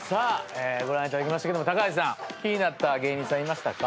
ご覧いただきましたけども橋さん気になった芸人さんいましたか？